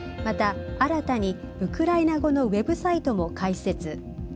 また新たにウクライナ語のウェブサイトも開設。